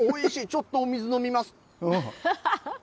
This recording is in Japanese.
ちょっとお水飲みます。